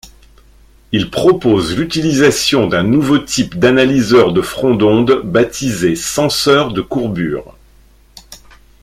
Il propose l'utilisation d'un nouveau type d'analyseur de front d'onde baptisé senseur de courbure.